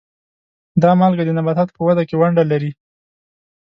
دا مالګه د نباتاتو په وده کې ونډه لري.